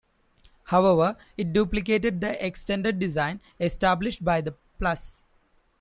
However, it duplicated the extended design established by the Plus.